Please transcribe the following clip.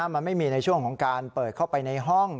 มันไม่มีในช่วงของการเปิดเข้าไปในห้อง